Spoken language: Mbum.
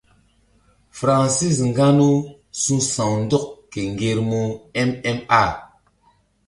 Francis nganou su̧ sa̧w ndɔk ke ŋgermu mma.